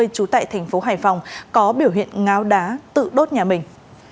trú tại tp hải phòng có biểu hiện ngáo đá tự đốt nhà mình